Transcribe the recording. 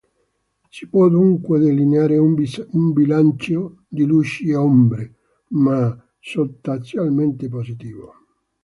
Si può dunque delineare un bilancio di luci e ombre, ma sostanzialmente positivo.